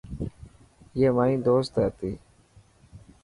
اي مائي دوست هتي.